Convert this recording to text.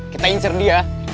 kita insert dia